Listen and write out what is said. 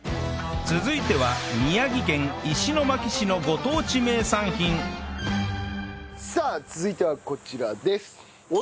続いては宮城県石巻市のご当地名産品さあ続いてはこちらです。